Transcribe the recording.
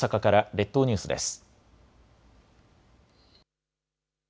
列島ニュースです。